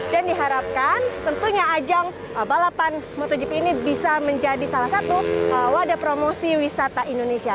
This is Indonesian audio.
dan diharapkan tentunya ajang balapan motogp ini bisa menjadi salah satu wadah promosi wisata indonesia